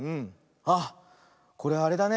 あっこれあれだね。